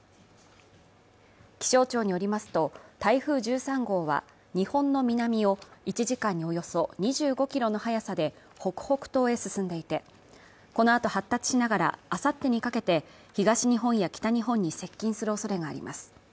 気象庁によりますと台風１３号は日本の南を１時間におよそ２５キロの速さで北北東へ進んでいてこのあと発達しながらあさってにかけて東日本や北日本に接近するおそれがあります